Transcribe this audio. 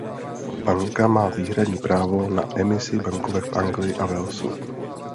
Banka má výhradní právo na emisi bankovek v Anglii a Walesu.